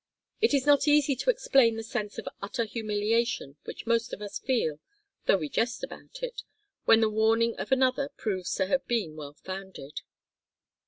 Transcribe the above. It is not easy to explain the sense of utter humiliation which most of us feel though we jest about it when the warning of another proves to have been well founded.